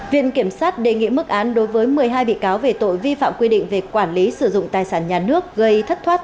viện kiểm sát đề nghị mức án đối với một mươi hai bị cáo về tội vi phạm quy định về quản lý sử dụng tài sản nhà nước gây thất thoát